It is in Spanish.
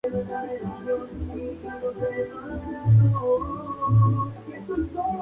Además, los lavaderos de oro en sus ríos le proporcionan importancia en la minería.